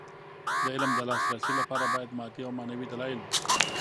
د علم د لاسرسي لپاره باید مادي او معنوي دلايل وي.